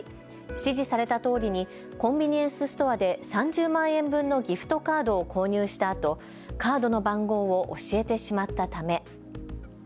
指示されたとおりにコンビニエンスストアで３０万円分のギフトカードを購入したあとカードの番号を教えてしまったため。